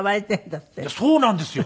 そうなんですよ。